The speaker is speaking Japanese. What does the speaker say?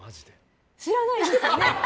知らないですよね！